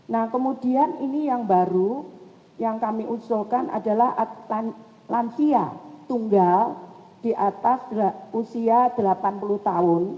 nah kemudian ini yang baru yang kami usulkan adalah lansia tunggal di atas usia delapan puluh tahun